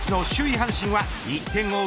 阪神は１点を追う